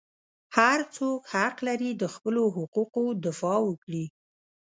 هر څوک حق لري د خپلو حقوقو دفاع وکړي.